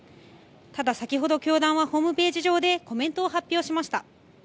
ただ、先ほど、教団はホームページ上でコメントを発表しました。